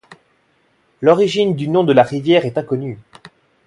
L'origine du nom de la rivière est inconnue.